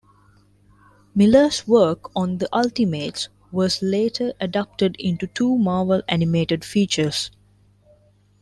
Millar's work on "The Ultimates" was later adapted into two Marvel Animated Features.